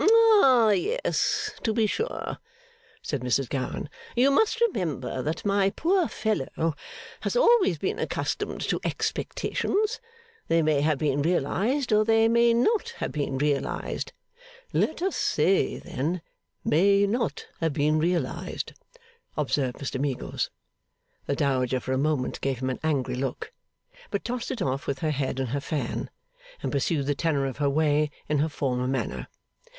'Ah! Yes, to be sure!' said Mrs Gowan. 'You must remember that my poor fellow has always been accustomed to expectations. They may have been realised, or they may not have been realised ' 'Let us say, then, may not have been realised,' observed Mr Meagles. The Dowager for a moment gave him an angry look; but tossed it off with her head and her fan, and pursued the tenor of her way in her former manner.